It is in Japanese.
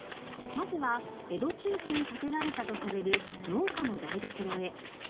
まずは江戸中期に建てられたとされる農家の台所へ。